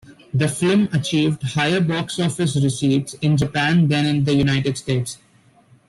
The film achieved higher box office receipts in Japan than in the United States.